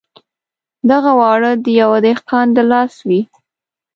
دغه واړه د یوه دهقان د لاس وې.